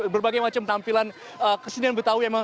berbagai macam tampilan kesenian betawi